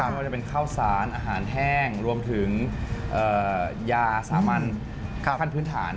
ไม่ว่าจะเป็นข้าวสารอาหารแห้งรวมถึงยาสามัญขั้นพื้นฐาน